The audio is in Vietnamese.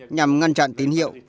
nhằm ngăn chặn tín hiệu